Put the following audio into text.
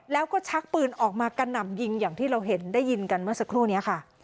แล้วก็ชักปืนออกมากระหน่ำยิงอย่างที่เราเห็นได้ยินกันเมื่อสักครู่นี้ค่ะ